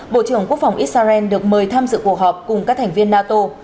bộ trưởng quốc phòng israel được mời tham dự cuộc họp cùng các thành viên nato